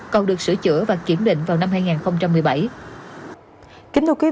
còn được sửa chữa và kiểm định vào năm hai nghìn một mươi bảy